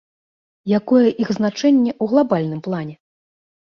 Якое іх значэнне ў глабальным плане?